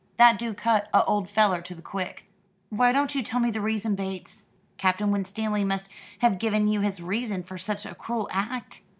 That do cut a old feller to the quick." "Why don't you tell me the reason, Bates? Captain Winstanley must have given you his reason for such a cruel act."